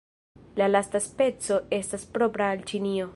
La lasta speco estas propra al Ĉinio.